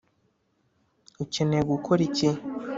ukeneye gukora iki